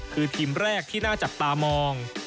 คือทีมแรกที่น่าจับตามอง